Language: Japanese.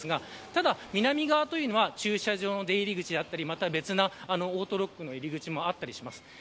ただ南側は駐車場の出入り口だったり別なオートロックの入り口もあったりします。